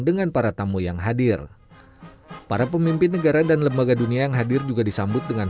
dengan para tamu yang hadir para pemimpin negara dan lembaga dunia yang hadir juga disambut dengan